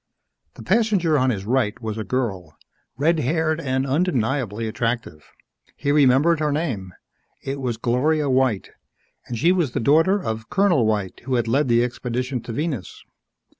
The passenger on his right was a girl red haired and undeniably attractive. He remembered her name. It was Gloria White, and she was the daughter of Colonel White who had led the expedition to Venus.